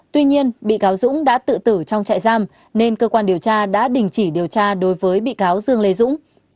tuy nhiên bị cáo dũng đã tự tử trong trại giam nên cơ quan điều tra đã đình chỉ điều tra đối với bị cáo dương lê dũng